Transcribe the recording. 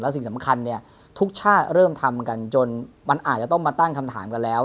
สิ่งสำคัญเนี่ยทุกชาติเริ่มทำกันจนมันอาจจะต้องมาตั้งคำถามกันแล้ว